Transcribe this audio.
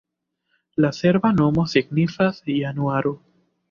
La serba nomo signifas januaro.